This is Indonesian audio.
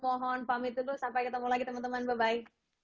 mohon pamit dulu sampai ketemu lagi teman teman bapak